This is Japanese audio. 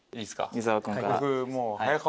伊沢君から。